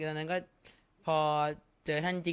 สงฆาตเจริญสงฆาตเจริญ